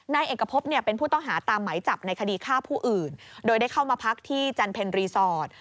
นายเอกพบเป็นผู้ต้องหาตามไหมจับในคดีฆ่าผู้อื่นโดยได้เข้ามาพักที่จันเพ็ญรีสอร์ท